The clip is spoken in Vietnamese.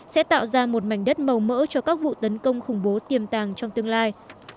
sẽ tạo ra một mảnh đất màu mỡ cho các vụ tấn công khủng bố tiềm tàng trong tương lai